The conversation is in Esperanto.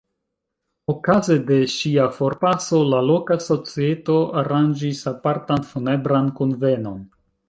Okaze de ŝia forpaso, la loka societo aranĝis apartan funebran kunvenon.